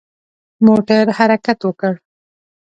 موټر حرکت وکړ.